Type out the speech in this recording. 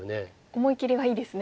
思い切りがいいですね。